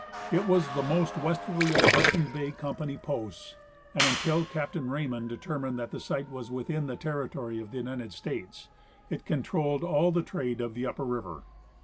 It was the most Avesterly of the Hudson Bay company's posts, and until Captain Raymond determined that the site was within the territory of the United States, it controlled all the trade of the upper river.